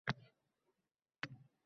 Davlatimiz rahbarining nigohlariga tushdi